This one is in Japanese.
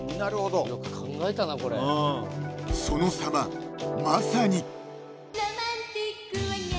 ［そのさままさに］